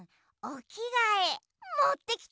おきがえ？